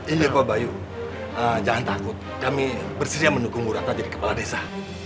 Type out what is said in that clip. ini pak bayu jangan takut kami bersedia mendukung ibu ratna jadi kepala desa